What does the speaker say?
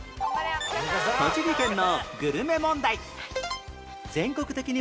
栃木県のグルメ問題